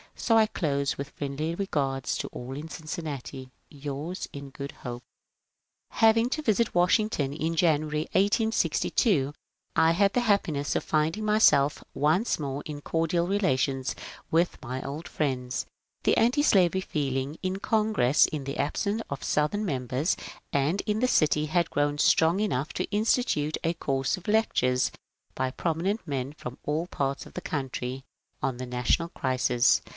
So I close with friendly regards to all in Cincinnati. — Yours in good hope. Having to visit Washington in January, 1862, 1 had the happiness of finding myself once more in cordial relations with my old friends. The antislavery feeling in Congress, in the absence of Southern members, and in the city had grown strong enough to institute a course of lectures by prominent men from all parts of the country on the national crisis.